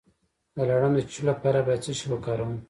د لړم د چیچلو لپاره باید څه شی وکاروم؟